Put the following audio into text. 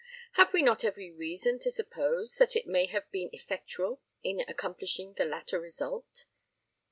Have we not every reason to suppose that it may have been effectual in accomplishing the latter result?